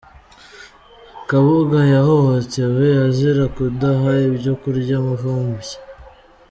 Kabuga Yahohotewe azira kudaha ibyo kurya umuvumbyi